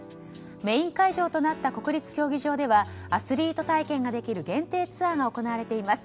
メイン会場となった国立競技場ではアスリート体験ができる限定ツアーが行われています。